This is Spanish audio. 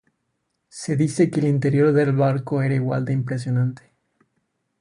Se dice que el interior del banco era igual de impresionante.